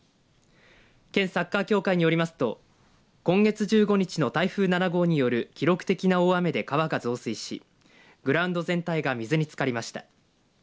県サッカー協会によりますと今月１５日の台風７号による記録的な大雨で川が増水しグラウンド全体が水につかりました。